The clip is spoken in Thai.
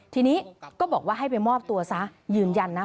ทีนี้ก็บอกว่าให้ไปมอบตัวซะยืนยันนะ